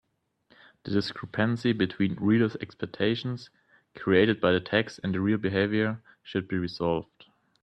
The discrepancy between reader’s expectations created by the text and the real behaviour should be resolved.